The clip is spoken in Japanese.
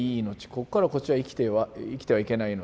ここからこっちは生きてはいけない命。